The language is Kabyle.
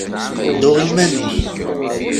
Ddu iman-ik.